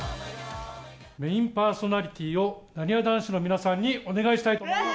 メインパーソナリティーを、なにわ男子の皆さんにお願いしたいと思います。